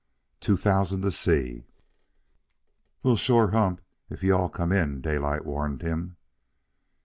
"Two thousand to see." "We'll sure hump you if you all come in," Daylight warned him.